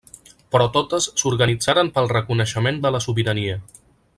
Però totes s'organitzaren pel reconeixement de la sobirania.